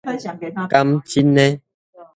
敢真的